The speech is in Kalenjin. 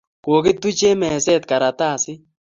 Kokituchee mezet karatasit